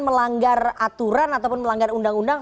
melanggar aturan ataupun melanggar undang undang